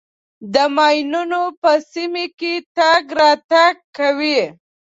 د ماینونو په سیمه کې تګ راتګ کوئ.